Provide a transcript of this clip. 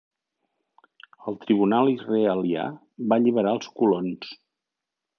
El tribunal israelià va alliberar els colons.